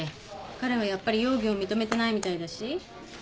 彼はやっぱり容疑を認めてないみたいだし。